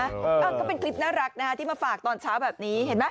ก็เป็นคลิปน่ารักนะฮะที่มาฝากตอนเช้าแบบนี้เห็นไหม